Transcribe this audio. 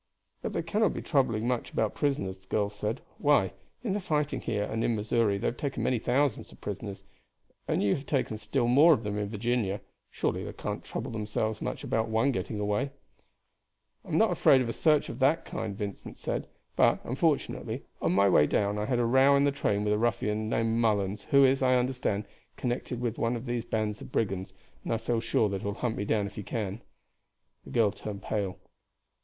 "But they cannot be troubling much about prisoners," the girl said. "Why, in the fighting here and in Missouri they have taken many thousands of prisoners, and you have taken still more of them in Virginia; surely they cannot trouble themselves much about one getting away." "I am not afraid of a search of that kind," Vincent said; "but, unfortunately, on my way down I had a row in the train with a ruffian named Mullens, who is, I understand, connected with one of these bands of brigands, and I feel sure that he will hunt me down if he can." The girl turned pale.